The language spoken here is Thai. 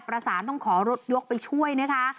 ประสานต้องขอรถยกไปช่วยนะคะ